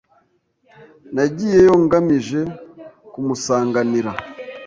Nagiyeyo ngamije kumusanganira.